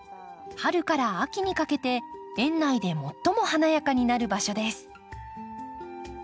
春から秋にかけて園内で最も華やかになる場所です。